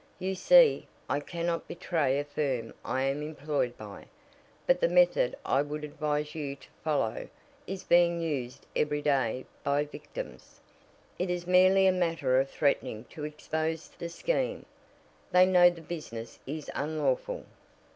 You see, I cannot betray a firm I am employed by. But the method I would advise you to follow is being used every day by victims. It is merely a matter of threatening to expose the scheme they know the business is unlawful."